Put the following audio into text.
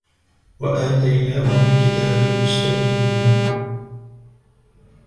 وَآتَيْنَاهُمَا الْكِتَابَ الْمُسْتَبِينَ